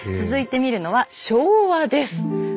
続いて見るのは昭和です。